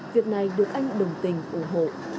việc này được anh đồng tình ủng hộ